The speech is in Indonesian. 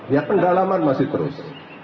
ya pengalaman masih terus